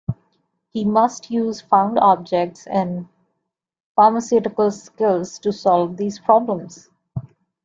He must use found objects and pharmaceutical skills to solve these problems.